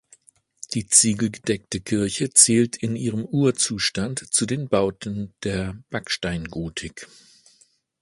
Die ziegelgedeckte Kirche zählt in ihrem Urzustand zu den Bauten der Backsteingotik.